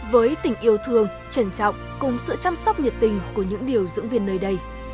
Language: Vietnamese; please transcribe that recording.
với tình yêu thương trân trọng cùng sự chăm sóc nhiệt tình của những điều dưỡng viên nơi đây